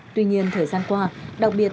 tuy nhiên thời gian qua đặc biệt